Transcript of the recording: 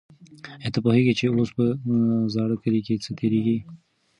آیا ته پوهېږې چې اوس په زاړه کلي کې څه تېرېږي؟